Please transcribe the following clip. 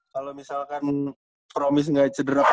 kalau misalkan promis nggak cederanya